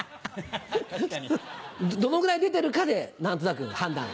どのぐらい出てるかで何となく判断